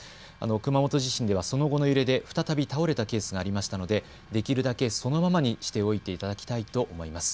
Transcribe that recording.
熊本地震ではその後の揺れで再び倒れたケースがありましたので、できるだけそのままにしておいていただきたいと思います。